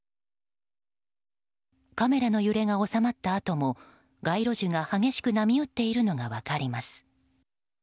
カメラの揺れが収まったあとも街路樹が激しく波打っているのが分かります。